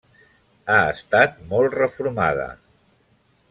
Ha estat molt reformada.